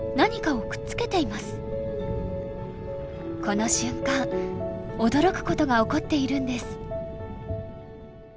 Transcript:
この瞬間驚くことが起こっているんです。